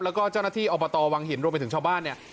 แล้วก็เจ้าหน้าที่อบตวังหินรวมไปถึงชาวบ้านเนี่ย